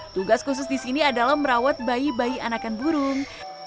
tugas khusus di sini adalah merawat bayi bayi anakan burung